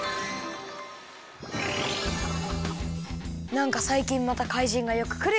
なんかさいきんまたかいじんがよくくるよね。